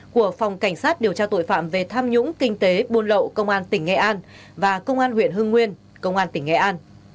của phòng cảnh sát điều tra tội phạm về tham nhũng kinh tế buôn lậu công an tỉnh nghệ an và công an huyện hưng nguyên công an tỉnh nghệ an